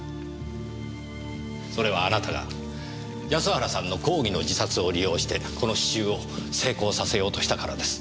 それはあなたが安原さんの抗議の自殺を利用してこの詩集を成功させようとしたからです。